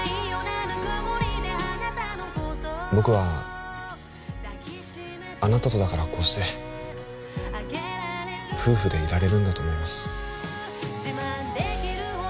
僕はあなたとだからこうして夫婦でいられるんだと思います